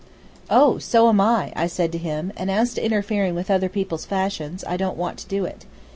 "Oh, so am I," I said to him, "and as to interfering with other people's fashions, I don't want to do it.